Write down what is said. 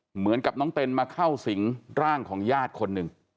เหมือนกับน้องเต้นมาเข้าสิงร่างของญาติคนหนึ่ง